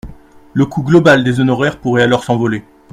Le coût global des honoraire pourrait alors s’envoler.